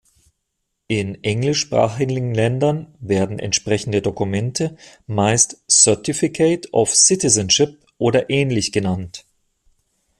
In englischsprachigen Ländern werden entsprechende Dokumente meist "Certificate of Citizenship" oder ähnlich genannt.